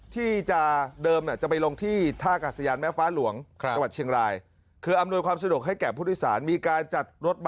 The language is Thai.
ถ้ามันไม่เสร็จบังคิดว่าต้องปิดต่อ